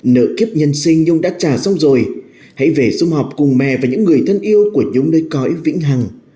nợ kiếp nhân sinh nhung đã trả xong rồi hãy về xung họp cùng mẹ và những người thân yêu của nhóm đôi cõi vĩnh hằng